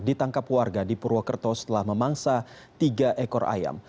ditangkap warga di purwokerto setelah memangsa tiga ekor ayam